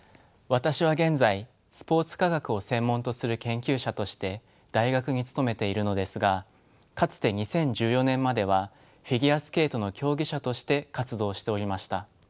私は現在スポーツ科学を専門とする研究者として大学に勤めているのですがかつて２０１４年まではフィギュアスケートの競技者として活動しておりました。